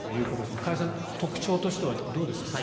加谷さん特徴としてはどうですか？